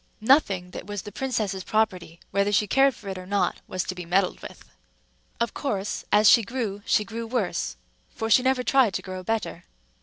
Nothing that was the princess's property, whether she cared for it or not, was to be meddled with. Of course, as she grew, she grew worse; for she never tried to grow better.